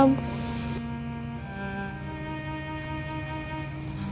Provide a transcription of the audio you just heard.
aku rindukan tentu